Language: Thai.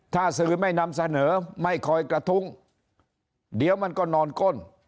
ถ้าสื่อไม่นำเสนอไม่คอยกระทุ้งเดี๋ยวมันก็นอนก้น